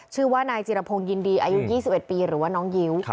ชื่อว่านายจิรพงศ์ยินดีอายุ๒๑ปีหรือว่าน้องยิ้ว